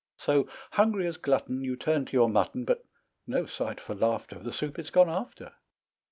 So, hungry as glutton, You turn to your mutton, But no sight for laughter The soup it's gone after.